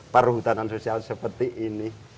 paruhutanan sosial seperti ini